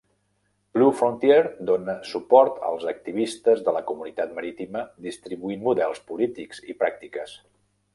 Blue Frontier dona suport als activistes de la comunitat marítima distribuint models polítics i pràctiques.